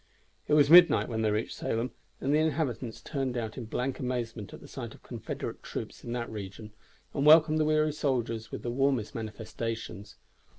It was midnight when they reached Salem, and the inhabitants turned out in blank amazement at the sight of Confederate troops in that region, and welcomed the weary soldiers with the warmest manifestations.